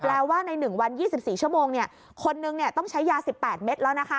ว่าใน๑วัน๒๔ชั่วโมงคนนึงต้องใช้ยา๑๘เม็ดแล้วนะคะ